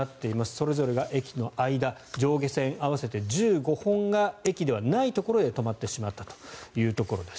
それぞれが駅の間上下線合わせて１５本が駅ではないところで止まってしまったというところです。